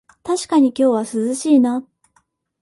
たしかに今日は涼しいな